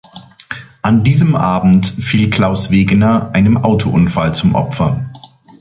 An diesem Abend fiel Klaus Wegener einem Autounfall zum Opfer.